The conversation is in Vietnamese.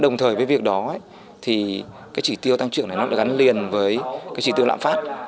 đồng thời với việc đó trí tiêu tăng trưởng này gắn liền với trí tiêu lạm phát